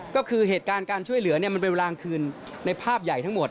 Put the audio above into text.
ก็คือเหตุการณ์การช่วยเหลือมันเป็นเวลากลางคืนในภาพใหญ่ทั้งหมด